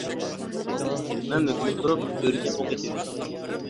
مەن مۆكۈنۈپ تۇرۇپ بۆرىگە ئوق ئېتىۋىدىم.